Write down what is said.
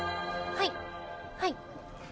はいはい。